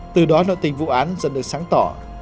từ đó nội tình vụ án dần được sáng tỏ